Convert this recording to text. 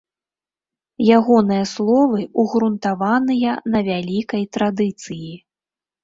Ягоныя словы ўгрунтаваныя на вялікай традыцыі.